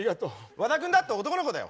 和田君だって男の子だよ！